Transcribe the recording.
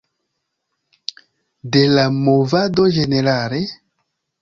De la movado ĝenerale?